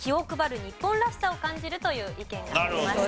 日本らしさを感じるという意見がありました。